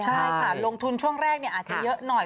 ใช่ค่ะลงทุนช่วงแรกอาจจะเยอะหน่อย